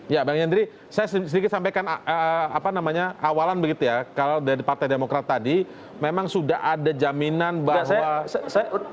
ya bang yandri saya sedikit sampaikan apa namanya awalan begitu ya kalau dari partai demokrat tadi memang sudah ada jaminan bahwa